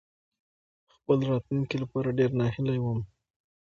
خپل راتلونکې لپاره ډېرې ناهيلې وم.